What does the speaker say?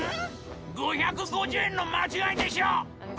５５０円の間違いでしょ？」。